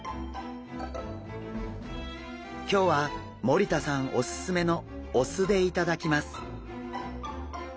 今日は森田さんオススメのお酢で頂きます。